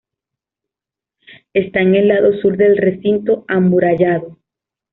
Está en el lado sur del recinto amurallado.